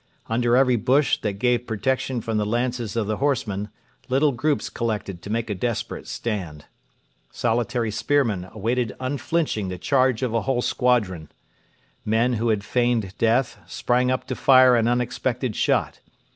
Under every bush that gave protection from the lances of the horsemen little groups collected to make a desperate stand. Solitary spearmen awaited unflinching the charge of a whole squadron. Men who had feigned death sprang up to fire an unexpected shot.